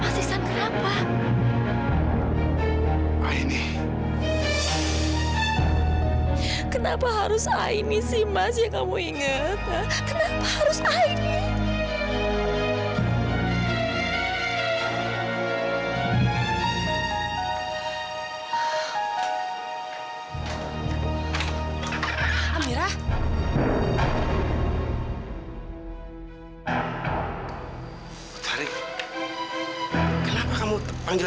mas ihsan kenapa aini kenapa harus aini sih masih enggak mau inget harus aini